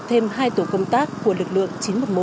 thêm hai tổ công tác của lực lượng chín một một